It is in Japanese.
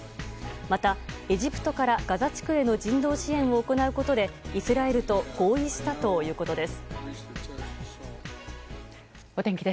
また、エジプトからガザ地区への人道支援を行うことでイスラエルと合意したということです。